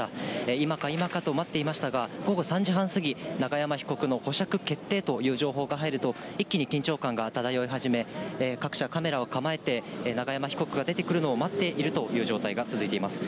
今か今かと待っていましたが、午後３時半過ぎ、永山被告の保釈決定という情報が入ると、一気に緊張感が漂い始め、各社、カメラを構えて永山被告が出てくるのを待っているという状態が続いています。